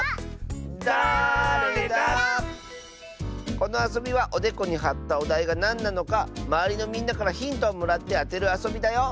このあそびはおでこにはったおだいがなんなのかまわりのみんなからヒントをもらってあてるあそびだよ。